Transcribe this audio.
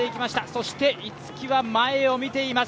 そして逸木は前を見ています。